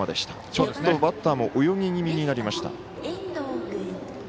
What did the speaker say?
ちょっと、バッターも泳ぎ気味になりました。